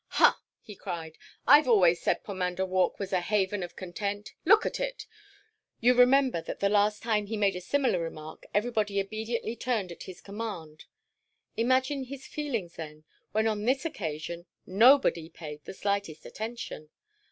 "Hah!" he cried, "I 've always said Pomander Walk was a Haven of Content. Look at it!" You remember that the last time he made a similar remark everybody obediently turned at his command. Imagine his feelings, then, when on this occasion nobody paid the slightest attention.